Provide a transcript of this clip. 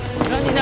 何。